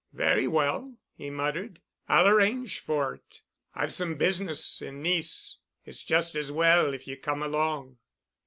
"Very well," he muttered. "I'll arrange for it. I've some business in Nice. It's just as well if you come along."